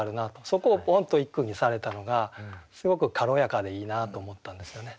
そこをポンと一句にされたのがすごく軽やかでいいなと思ったんですよね。